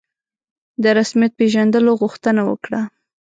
د رسمیت پېژندلو غوښتنه وکړه.